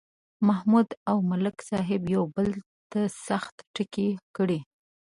محمود او ملک صاحب یو بل ته سخت ټکي کړي.